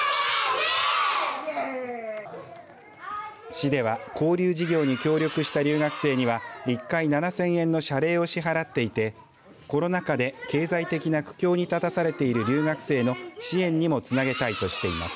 市では交流事業に協力した留学生には１回７０００円の謝礼を支払っていてコロナ禍で、経済的な苦境に立たされている留学生の支援にもつなげたいとしています。